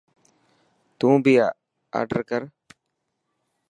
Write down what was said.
تون بي آڊر ڪر.